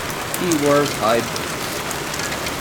She wears high boots.